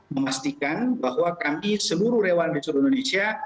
memastikan bahwa kami seluruh relawan di seluruh indonesia